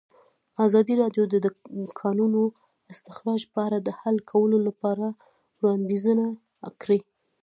ازادي راډیو د د کانونو استخراج په اړه د حل کولو لپاره وړاندیزونه کړي.